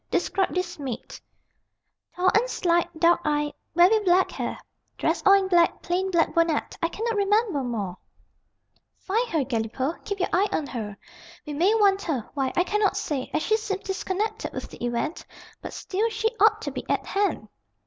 Describe this maid." "Tall and slight, dark eyed, very black hair. Dressed all in black, plain black bonnet. I cannot remember more." "Find her, Galipaud keep your eye on her. We may want her why, I cannot say, as she seems disconnected with the event, but still she ought to be at hand."